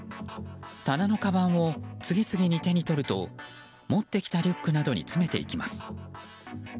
棚のかばんを次々に手に取ると持ってきたリュックなどに詰めていきます。